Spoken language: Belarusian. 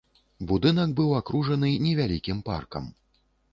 Будынак быў акружаны невялікім паркам.